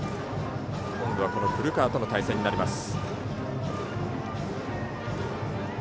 今度はこの古川との対戦になります。